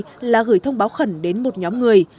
người đã gửi thông báo khẩn đến một nhóm người